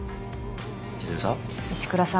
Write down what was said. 千鶴さん。